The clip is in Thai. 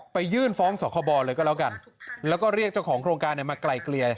ยื่นฟ้องสคบเลยก็แล้วกันแล้วก็เรียกเจ้าของโครงการมาไกลเกลี่ย